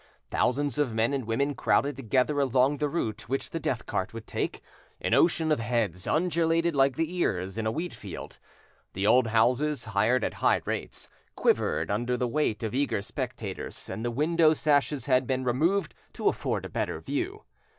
Thousands of men and women crowded together along the route which the death cart would take; an ocean of heads undulated like the ears in a wheatfield. The old houses, hired at high rates, quivered under the weight of eager spectators, and the window sashes had been removed to afford a better view.